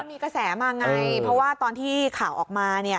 มีกระแสมาไงเพราะว่าตอนที่ข่าวออกมา